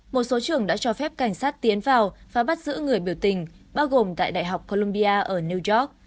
một số trường đã cho phép cảnh sát tiến vào và bắt giữ người biểu tình bao gồm tại đại học colombia ở new york